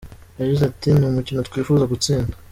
Yagize ati “Ni umukino twifuza gutsinda.